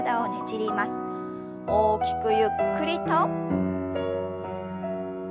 大きくゆっくりと。